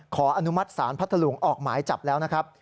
ขออนุมัติศาลพัทธลุงออกหมายจับแล้วนะครับ